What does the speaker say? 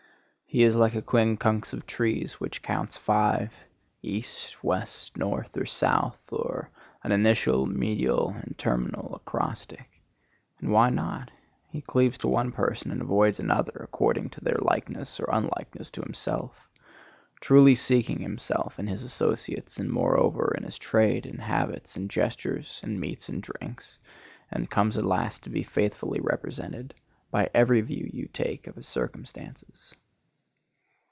He is like a quincunx of trees, which counts five,—east, west, north, or south; or an initial, medial, and terminal acrostic. And why not? He cleaves to one person and avoids another, according to their likeness or unlikeness to himself, truly seeking himself in his associates and moreover in his trade and habits and gestures and meats and drinks, and comes at last to be faithfully represented by every view you take of his circumstances.